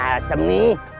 aduh kurang asem nih